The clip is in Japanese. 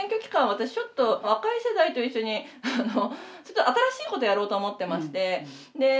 私ちょっと若い世代と一緒に新しいことをやろうと思ってまして。